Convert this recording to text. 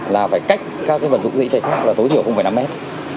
là phải cách các vật dụng dĩ cháy khác là tối thiểu không phải năm mét